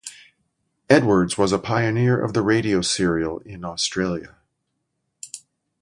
Edwards was a pioneer of the radio serial in Australia.